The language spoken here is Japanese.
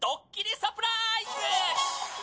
サプライズ！！